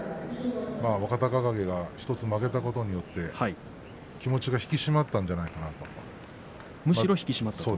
若隆景が１つ負けたことによって気持ちが引き締まったんではないかと。